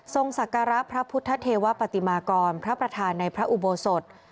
สักการะพระพุทธเทวปฏิมากรพระประธานในพระอุโบสถ